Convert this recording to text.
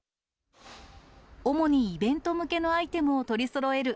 主にイベント向けのアイテムを取りそろえる